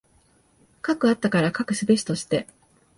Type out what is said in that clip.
斯くあったから斯くすべしとして。